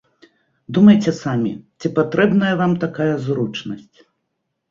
Думайце самі, ці патрэбная вам такая зручнасць.